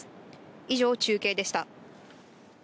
以上、中継でした。